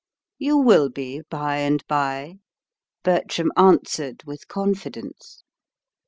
"You will be by and by," Bertram answered, with confidence.